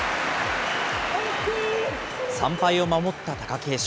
３敗を守った貴景勝。